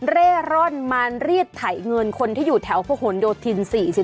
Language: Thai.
เร่ร่อนมารีดไถเงินคนที่อยู่แถวพระหลโยธิน๔๔